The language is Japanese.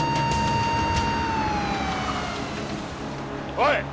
おい！